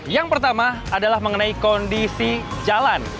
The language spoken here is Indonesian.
yang pertama adalah mengenai kondisi jalan